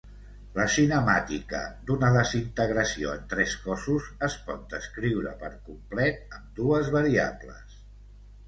La cinemàtica d'una desintegració en tres cossos es pot descriure per complet amb dues variables.